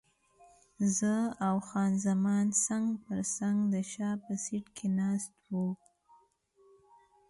زه او خان زمان څنګ پر څنګ د شا په سیټ کې ناست وو.